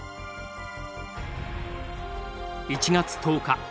１月１０日。